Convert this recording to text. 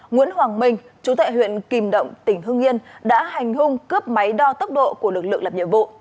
nguyễn hoàng minh chú tại huyện kìm động tỉnh hương nghiên đã hành hung cướp máy đo tốc độ của lực lượng lập nhiệm vụ